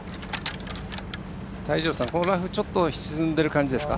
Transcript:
このラフちょっと沈んでる感じですか。